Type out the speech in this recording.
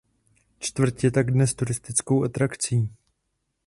Čtvrť je tak dnes turistickou atrakcí.